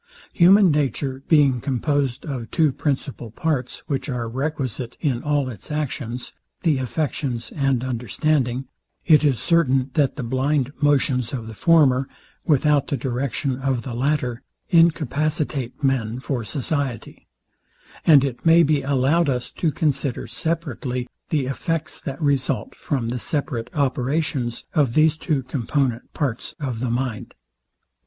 Human nature being composed of two principal parts, which are requisite in all its actions, the affections and understanding; it is certain, that the blind motions of the former, without the direction of the latter, incapacitate men for society: And it may be allowed us to consider separately the effects, that result from the separate operations of these two component parts of the mind.